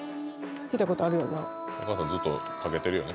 お母さんずっとかけてるよね